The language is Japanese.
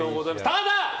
ただ！